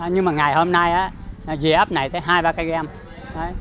ngày hôm nay dì ấp này thấy hai ba cái game